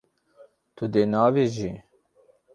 Tu dê neavêjî.